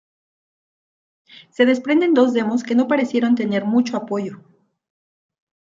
Se desprenden dos demos que no parecieron tener mucho apoyo.